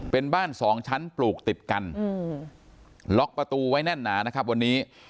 เป็นบ้านสองชั้นปลูกติดกันล็อกประตูไว้แน่นหนานะครับวันนี้